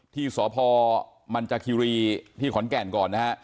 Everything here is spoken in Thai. ที่สพมันจากคิรีที่ขอนแก่นก่อนนะฮะ